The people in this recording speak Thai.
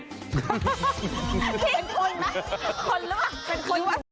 เป็นคนหรือเป็นคน